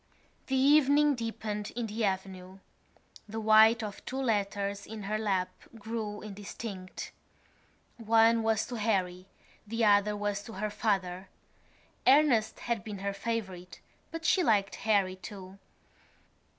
The evening deepened in the avenue. The white of two letters in her lap grew indistinct. One was to Harry; the other was to her father. Ernest had been her favourite but she liked Harry too.